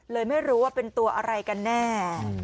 เลยไม่รู้ว่าเป็นตัวอะไรกันแน่